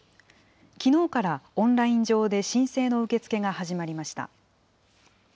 きのうからオンライン上で申請の受け付けが始まりました。